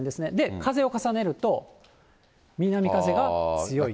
風を重ねると、南風が強いと。